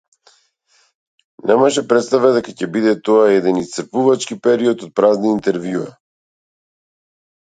Немаше претстава дека ќе биде тоа еден исцрпувачки период од празни интервјуа.